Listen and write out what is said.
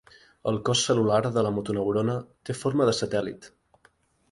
El cos cel·lular de la motoneurona té forma de satèl·lit.